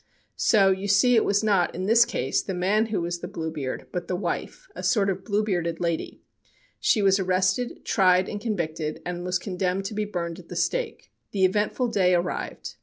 So, you see it was not, in this case, the man who was the "bluebeard," but the wife a sort of bluebearded lady. She was arrested, tried and convicted, and was condemned to be burned at the stake. The eventful day arrived.